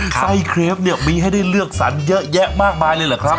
ไส้เครปเนี่ยมีให้ได้เลือกสรรเยอะแยะมากมายเลยเหรอครับ